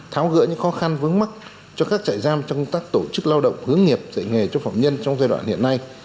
tháo gỡ những khó khăn vướng mắt cho các trại giam trong công tác tổ chức lao động hướng nghiệp dạy nghề cho phạm nhân trong giai đoạn hiện nay